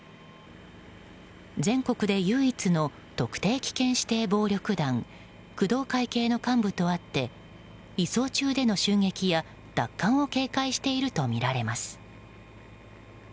全国で唯一の特定危険指定暴力団工藤会系の幹部とあって移送中での襲撃や奪還を警戒しているとみられます。